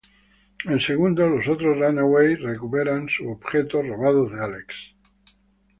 En segundos, los otros Runaways recuperan sus objetos robados de Alex.